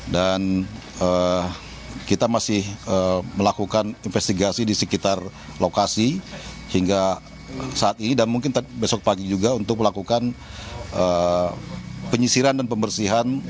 dan kita masih melakukan investigasi di sekitar lokasi hingga saat ini dan mungkin besok pagi juga untuk melakukan penyisiran dan pembersihan